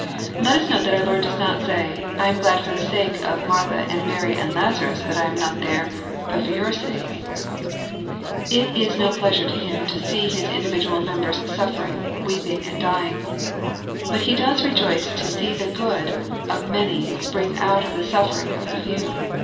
Let us note that our Lord does not say, *' I am glad for the sake of Martha and Mary and Lazarus that I am not there, but for your sakes.*' It is no pleasure to Him to see His individual members suffering, weeping, and dying; but He does rejoice to see the good of many spring out of the suffering of a few.